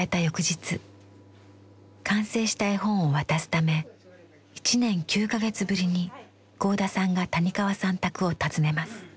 翌日完成した絵本を渡すため１年９か月ぶりに合田さんが谷川さん宅を訪ねます。